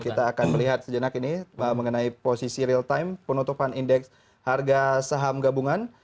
kita akan melihat sejenak ini mengenai posisi real time penutupan indeks harga saham gabungan